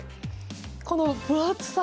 この分厚さ。